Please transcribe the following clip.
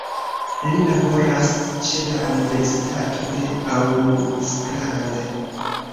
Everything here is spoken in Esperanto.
Li laboras ĉe la Universitato de Auckland.